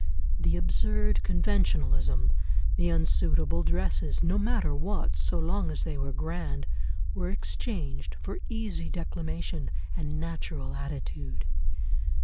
The absurd conventionalism, the unsuitable dresses, no matter what, so long as they were grand, were exchanged for easy declamation and natural attitude.